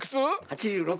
８６！